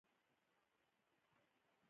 که نه نو همدلته مو مړه بوله.